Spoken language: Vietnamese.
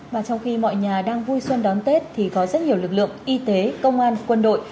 và trong khi mọi nhà đang vui xuân đón tết thì có rất nhiều lực lượng y tế công an quân đội